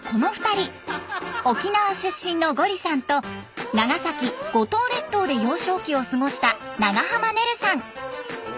沖縄出身のゴリさんと長崎五島列島で幼少期を過ごした長濱ねるさん。